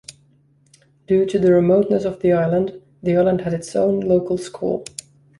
Due to the remoteness of the island, the island has its own local school.